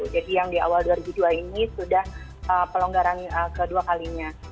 jadi yang di awal dua ribu dua ini sudah pelonggaran kedua kalinya